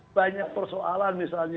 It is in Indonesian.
banyak persoalan misalnya